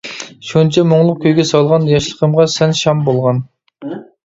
شۇنچە مۇڭلۇق كۈيگە سالغان، ياشلىقىمغا سەن شام بولغان.